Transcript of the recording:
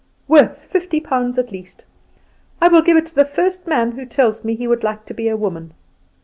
"Worth fifty pounds at least. I will give it to the first man who tells me he would like to be a woman.